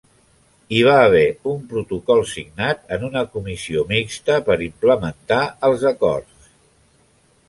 Hi va haver un protocol signat en una Comissió Mixta per implementar els acords.